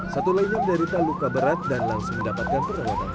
satu lainnya menderita luka berat dan langsung mendapatkan perawatan